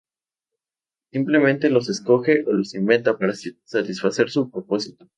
Simplemente los escoge, o los inventa, para satisfacer su propósito.